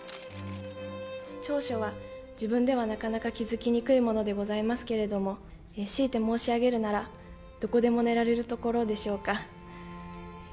長所は自分ではなかなか気付きにくいものでございますけれども、しいて申し上げるなら、どこでも寝られるところでしょうか。